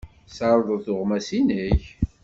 Tessardeḍ tuɣmas-nnek?